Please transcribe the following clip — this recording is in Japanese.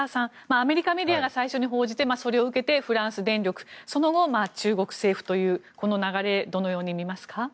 アメリカメディアがまず報じてそれを受けてフランス電力その後、中国政府という流れをどう見ますか。